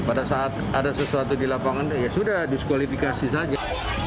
pada saat ada sesuatu di lapangan ya sudah diskualifikasi saja